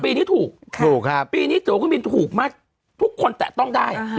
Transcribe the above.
ปีนี้ถูกถูกครับปีนี้ตัวเครื่องบินถูกมากทุกคนแตะต้องได้